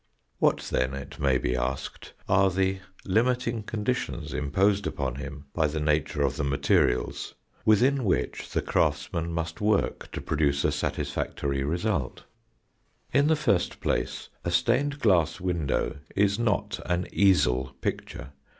What then, it may be asked, are the limiting conditions, imposed upon him by the nature of the materials, within which the craftsman must work to produce a satisfactory result? In the first place, a stained glass window is not an easel picture.